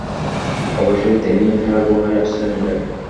অবশেষে তিনি হেরা গুহায় আশ্রয় নিলেন।